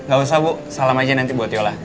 gak usah bu salam aja nanti buat yola